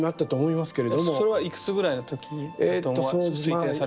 それはいくつぐらいの時だと推定されるんですか？